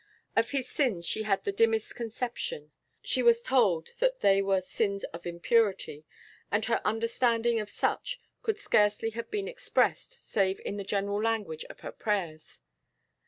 Of his sins she had the dimmest conception; she was told that they were sins of impurity, and her understanding of such could scarcely have been expressed save in the general language of her prayers.